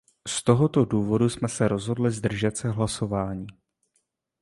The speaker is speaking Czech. Z toho důvodu jsme se rozhodli zdržet se hlasování.